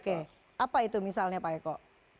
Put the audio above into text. oke apa itu misalnya pak eko